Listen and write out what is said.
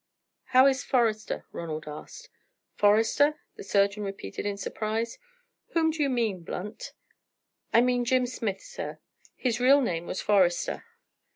"How is Forester?" Ronald asked. "Forester?" the surgeon repeated in surprise, "Whom do you mean, Blunt?" "I mean Jim Smith, sir; his real name was Forester."